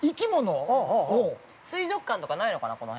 ◆水族館とかないのかな、この辺。